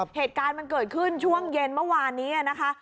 เหตุการณ์มันเกิดขึ้นช่วงเย็นเมื่อวานนี้นะคะ